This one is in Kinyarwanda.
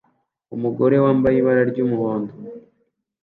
Umugore wambaye ibara ry'umuhondo